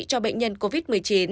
cho bệnh nhân covid một mươi chín